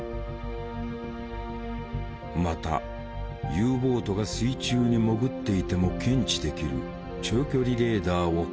またＵボートが水中に潜っていても検知できる長距離レーダーを開発したとうその情報を流した。